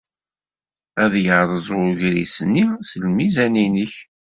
Ad yerreẓ ugris-nni s lmizan-nnek.